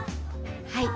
はい。